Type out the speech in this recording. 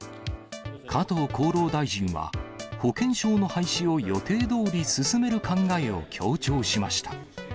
加藤厚労大臣は、保険証の廃止を予定どおり進める考えを強調しました。